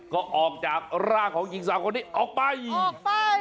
ก็ออกจากร่างของหญิงสาวคนนี้ออกไปออกไป